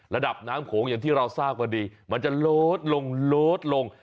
ระดับน้ำโขงอย่างที่เราทราบพอดีมันจะลดลงลดลง